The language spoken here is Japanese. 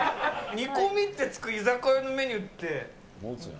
煮込みってつく居酒屋のメニューって。